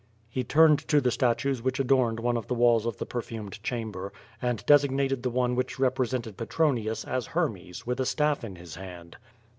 He turned to the statues which adorned one of the walls of the perfumed chamber, and designated the one which represented Petronius as Hermes, with a staff in his hand.